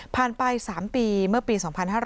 ผ่านไป๓ปีเมื่อปี๒๕๑๗